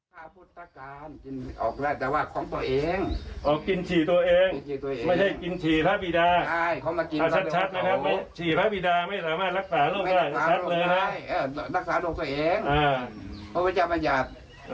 นักศาลงได้นักศาลงตัวเองเพราะว่าจะประหยาด